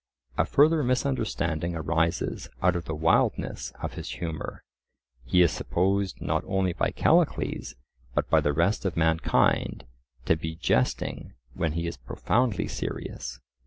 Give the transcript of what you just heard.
A further misunderstanding arises out of the wildness of his humour; he is supposed not only by Callicles, but by the rest of mankind, to be jesting when he is profoundly serious.